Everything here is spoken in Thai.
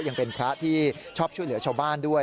ยังเป็นพระที่ชอบช่วยเหลือชาวบ้านด้วย